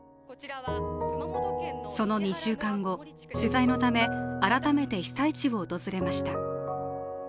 その２週間後、取材のため改めて被災地を訪れました。